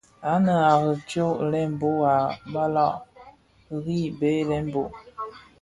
Ànë à riì tyông lëëgol, a balàg rì byey lëëgol.